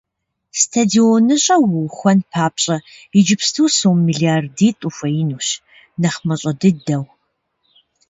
СтадионыщӀэ уухуэн папщӀэ иджыпсту сом мелардитӀ ухуеинущ, нэхъ мащӀэ дыдэу.